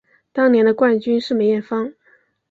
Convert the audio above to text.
当年的冠军是梅艳芳。